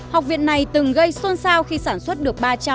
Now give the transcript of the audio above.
học viện này từng gây xuân sao khi sản xuất được